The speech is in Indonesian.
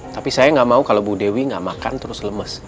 tapi saya nggak mau kalau bu dewi gak makan terus lemes